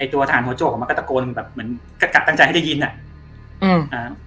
ไอ้ตัวทหารโทโจของมันก็ตะโกนแบบเหมือนกลับตั้งใจให้ได้ยินอ่ะอืม